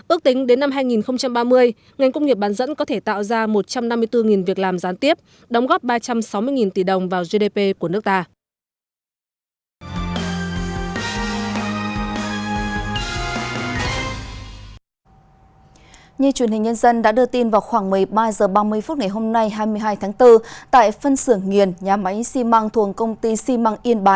ước tính đến năm hai nghìn ba mươi ngành công nghiệp bán dẫn có thể tạo ra một trăm năm mươi bốn việc làm gián tiếp đóng góp ba trăm sáu mươi tỷ đồng vào gdp của nước ta